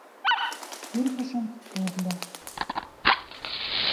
Тӱрвыжым пурльо.